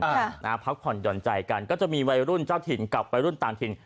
อ่านะฮะพักผ่อนหย่อนใจกันก็จะมีวัยรุ่นเจ้าถิ่นกับวัยรุ่นต่างถิ่น